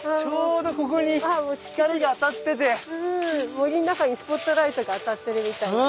森の中にスポットライトが当たってるみたいだね。